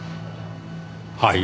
はい？